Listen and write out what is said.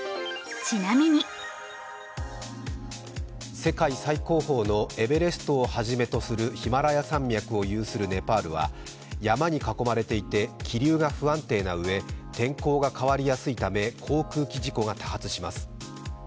世界最高峰のエベレストをはじめとするヒマラヤ山脈を有するネパールは山に囲まれていて気流が不安定なうえ天候が変わりやすいため、航空機事故が多発します。